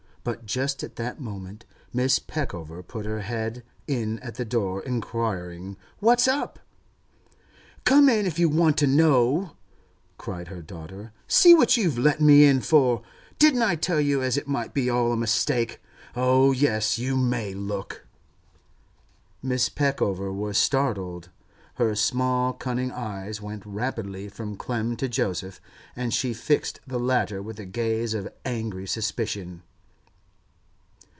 But just at that moment Mrs. Peckover put her head in at the door, inquiring 'What's up?' 'Come in, if you want to know,' cried her daughter. 'See what you've let me in for! Didn't I tell you as it might be all a mistake? Oh yes, you may look!' Mrs. Peckover was startled; her small, cunning eyes went rapidly from Clem to Joseph, and she fixed the latter with a gaze of angry suspicion.